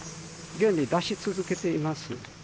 現に出し続けています。